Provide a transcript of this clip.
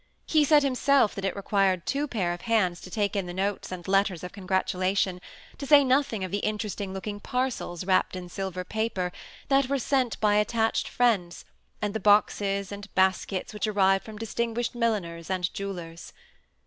He said himself that it required two pair of hands to take in the notes and letters of congratula tion, to say nothing of the interesting looking parcels, wrapt in silver paper, that were sent by attached fnends, and the boxes and baskets which arrived from distinguished milliners and jewellers.